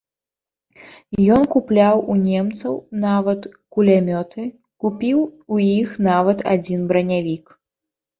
Ён купляў у немцаў нават кулямёты, купіў у іх нават адзін бранявік!